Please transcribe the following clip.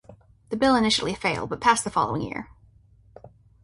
The bill initially failed, but passed the following year.